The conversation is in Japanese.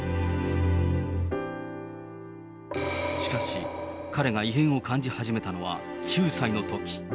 しかし、彼が異変を感じ始めたのは９歳のとき。